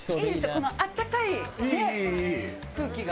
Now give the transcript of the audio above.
このあったかいね空気が。